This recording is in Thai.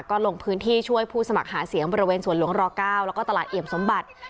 ก็ลงพื้นที่ช่วยผู้สมัครหาเสียงบริเวณสวนหลวงร๙แล้วก็ตลาดเอี่ยมสมบัติ